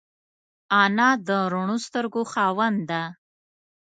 انا د روڼو سترګو خاوند ده